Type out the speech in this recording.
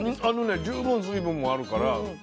あのね十分水分もあるから。